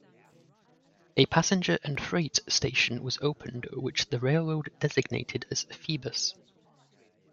A passenger and freight station was opened, which the railroad designated as "Phoebus".